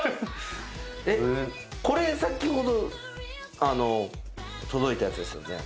これ先ほど届いたやつですよね。